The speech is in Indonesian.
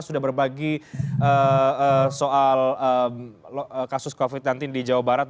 sudah berbagi soal kasus covid sembilan belas di jawa barat